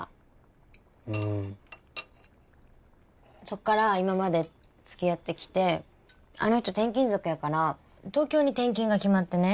そっから今までつきあってきてあの人転勤族やから東京に転勤が決まってね。